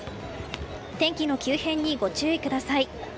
天気の急変にご注意ください。